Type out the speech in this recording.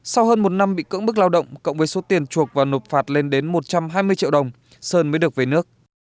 sau hơn một năm bị cưỡng bức lao động cộng với số tiền chuộc và nộp phạt lên đến một trăm hai mươi triệu đồng sơn mới được về nước